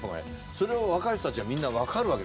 それを若い人たちはみんなわかるわけですよね。